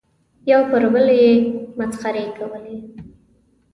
یو پر بل یې مسخرې کولې.